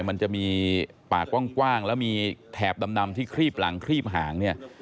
มันจะมีปากกว้างแล้วมีแถบดำที่ครีบหลังครีบหางเนี่ย